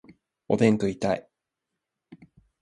おでん食いたい